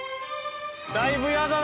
だいぶやだな。